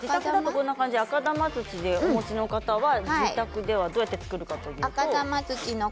赤玉土をお持ちの方自宅で、どう作るかというと。